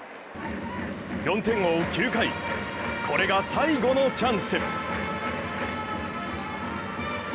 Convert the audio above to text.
４点を追う９回、これが最後のチャンス。